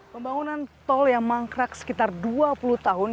pembangunan tol yang mangkrak sekitar dua puluh tahun